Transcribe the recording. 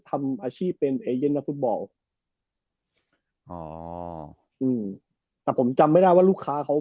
ทำอาชีพเป็นเอเย่นนักฟุตบอลอ่าอืมแต่ผมจำไม่ได้ว่าลูกค้าเขา